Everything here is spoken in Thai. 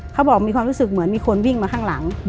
เขาบอกมีความรู้สึกเหมือนมีคนวิ่งมาข้างหลัง